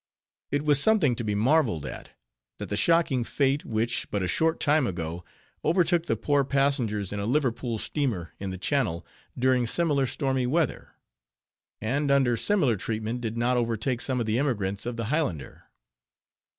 It was something to be marveled at, that the shocking fate, which, but a short time ago, overtook the poor passengers in a Liverpool steamer in the Channel, during similar stormy weather, and under similar treatment, did not overtake some of the emigrants of the Highlander.